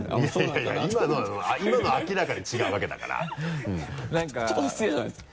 いやいや今のは今のは明らかに違うわけだから。ちょっと失礼じゃないですか？